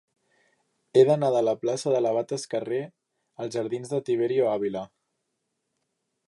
He d'anar de la plaça de l'Abat Escarré als jardins de Tiberio Ávila.